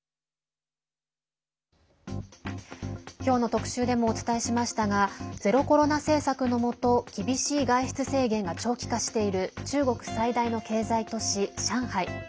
きょうの特集でもお伝えしましたがゼロコロナ政策のもと厳しい外出制限が長期化している中国最大の経済都市、上海。